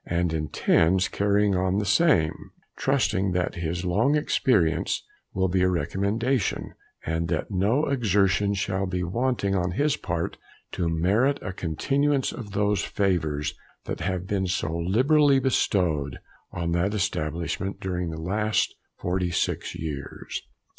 and intends carrying on the same, trusting that his long experience will be a recommendation, and that no exertion shall be wanting on his part to merit a continuance of those favours that have been so liberally bestowed on that establishment during the last 46 years.